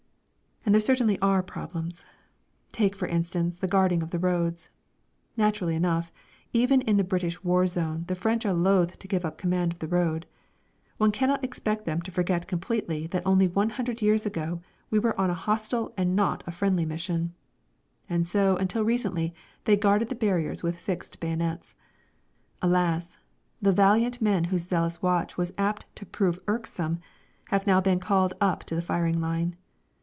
And there certainly are problems. Take, for instance, the guarding of the roads. Naturally enough, even in the British War Zone the French are loath to give up command of the road. One cannot expect them to forget completely that only one hundred years ago we were on a hostile and not on a friendly mission! And so until recently they guarded the barriers with fixed bayonets. Alas! the valiant men whose zealous watch was apt to prove irksome have now been called up to the firing line.